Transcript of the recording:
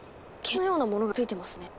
鍵盤のようなものがついてますね。